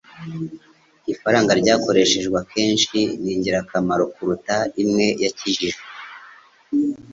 Ifaranga ryakoreshejwe akenshi ni ingirakamaro kuruta imwe yakijijwe.